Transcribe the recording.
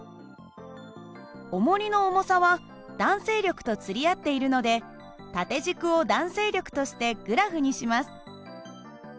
おもりの重さは弾性力と釣り合っているので縦軸を弾性力としてグラフにします。